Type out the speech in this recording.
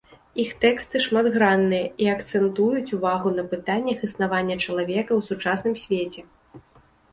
Іх тэксты шматгранныя і акцэнтуюць увагу на пытаннях існавання чалавека ў сучасным свеце.